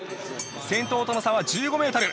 先頭との差は１５ｍ。